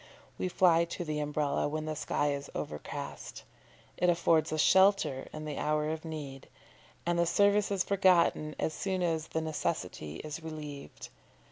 We fly to the Umbrella when the sky is overcast it affords us shelter in the hour of need and the service is forgotten as soon as the necessity is relieved.